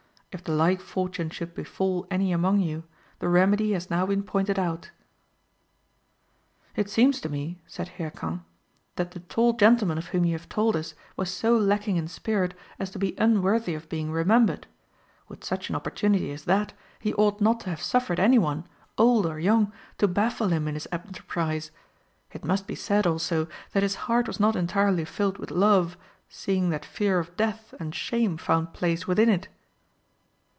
If the like fortune should befall any among you, the remedy has now been pointed out." "It seems to me," said Hircan, "that the tall gentleman of whom you have told us was so lacking in spirit as to be unworthy of being remembered. With such an opportunity as that, he ought not to have suffered any one, old or young, to baffle him in his enterprise. It must be said, also, that his heart was not entirely filled with love, seeing that fear of death and shame found place within it."